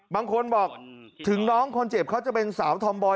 บางคนบอกถึงน้องคนเจ็บเขาจะเป็นสาวธอมบอย